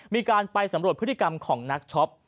มีการไปสำรวจพฤติกรรมของนักช็อป